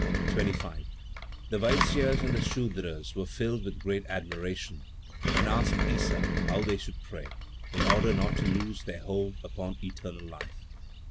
25. The Vaisyas and the Sudras were filled with great admiration, and asked Issa how they should pray, in order not to lose their hold upon eternal life.